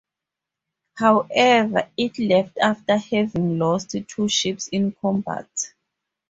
However, it left after having lost two ships in combat.